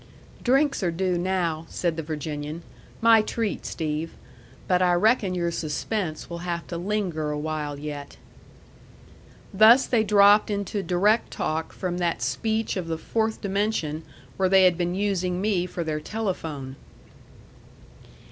"Drinks are due now," said the Virginian. "My treat, Steve. But I reckon your suspense will have to linger a while yet." Thus they dropped into direct talk from that speech of the fourth dimension where they had been using me for their telephone.